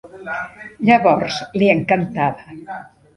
Llavors li encantava.